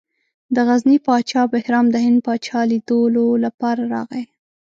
د غزني پاچا بهرام د هند پاچا لیدلو لپاره راغی.